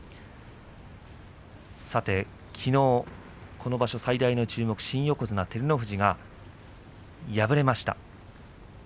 きのう、この場所、最大の注目新横綱照ノ富士が敗れました。